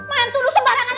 maen tuduh sembarangan